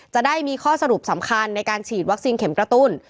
จะได้มีข้อสรุปสำคัญในการฉีดวัคซีนเข็มกระตุ้น